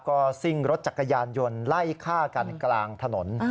ก็ซิ่งรถจักรยานยนต์ไล่ฆ่ากันกลางถนน